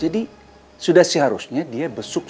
agus itu sudah mencemarkan nama baik keluarga kita